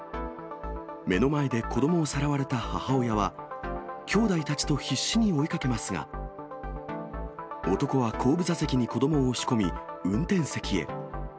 目の前で子どもをさらわれた母親は、兄弟たちと必死に追いかけますが、男は後部座席に子どもを押し込み、運転席へ。